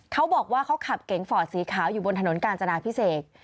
เขาบอกว่าเขาขับเก๋งฟอร์ดสีขาวอยู่บนถนนกาญจนาพิเศษ